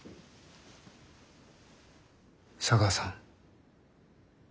茶川さん。